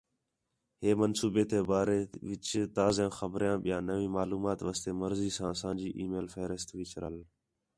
ہے منصوبے تی بارے وِچ تازہ خبریاں ٻیا نویں معلومات واسطے مرضی ساں اساں جی ای میل فہرست وِچ رَل۔